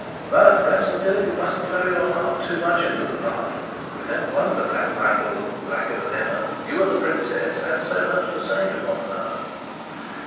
But, Rassendyll, you mustn't throw your heart too much into the part. I don't wonder Black Michael looked blacker than ever you and the princess had so much to say to one another."